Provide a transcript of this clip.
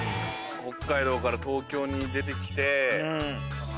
北海道から東京に出て来て。